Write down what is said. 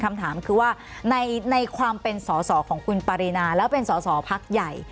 คำถามคือว่าในความเป็นสอสอของคุณปารีนาแล้วเป็นสอสอพักใหญ่